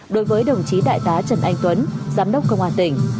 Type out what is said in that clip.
đối với đồng chí đại tá trần anh tuấn giám đốc công an tỉnh